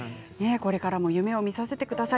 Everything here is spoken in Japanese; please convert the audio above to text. これからも夢をみさせてください